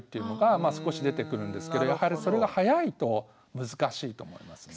まあ少し出てくるんですけどやはりそれが早いと難しいと思いますね。